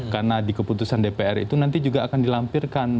karena di keputusan dpr itu nanti juga akan dilampirkan